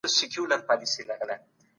د ښځو د حقونو په اړه عامه پوهاوی کیده.